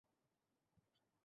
ধন্যবাদ, মিমি।